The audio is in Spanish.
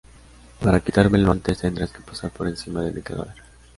Para quitármelo, antes tendrás que pasar por encima de mi cadáver